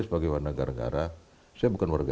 sebagai warna gara gara saya bukan warga